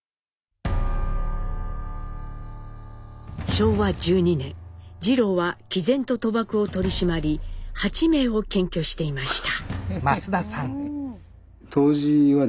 昭和１２年次郎はきぜんと賭博を取り締まり８名を検挙していました。